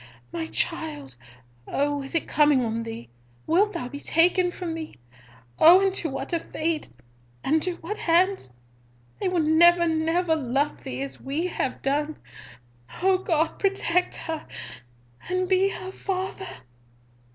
my child! Oh, is it coming on thee? Wilt thou be taken from me! Oh, and to what a fate! And to what hands! They will never never love thee as we have done! O God, protect her, and be her Father."